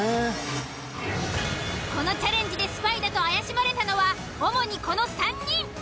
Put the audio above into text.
このチャレンジでスパイだと怪しまれたのは主にこの３人。